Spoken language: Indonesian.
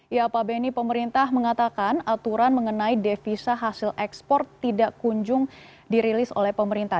ya pak benny pemerintah mengatakan aturan mengenai devisa hasil ekspor tidak kunjung dirilis oleh pemerintah